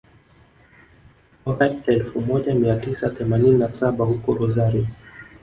mwaka elfu moja mia tisa themanini na saba huko Rosario